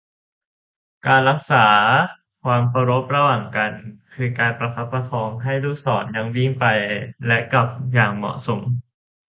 การรักษาความเคารพระหว่างกัน คือการประคับประคองให้ลูกศรยังวิ่งไปและกลับอย่างเหมาะสม